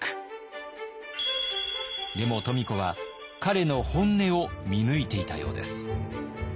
でも富子は彼の本音を見抜いていたようです。